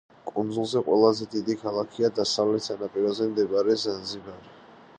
კუნძულზე ყველაზე დიდი ქალაქია დასავლეთ სანაპიროზე მდებარე ზანზიბარი.